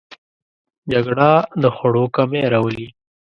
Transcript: جګړه د خوړو کمی راولي